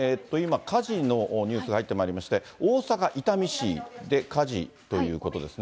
火事のニュースが入ってまいりまして、大阪・伊丹市で、火事ということですね。